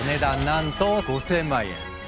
なんと５，０００万円。